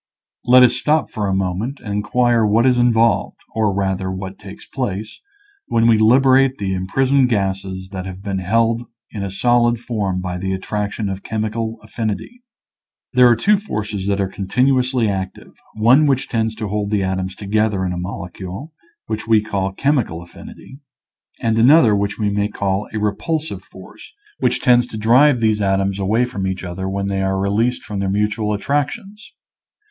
Let us stop a moment and inquire what is involved, or rather what takes place, when we liberate the imprisoned gases that have been held in a solid form by the attraction of chemical affinity. There are two forces that are continuously active, one which tends to hold the atoms to gether in a molecule, which we call chemical affinity, and another which we may call a re pulsive force, which tends to drive these atoms 225 / I . Original from UNIVERSITY OF WISCONSIN 226 Hature'0 Airaclea* away from each other when they are released from their mutual attractions.